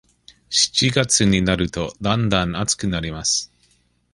七月になると、だんだん暑くなります。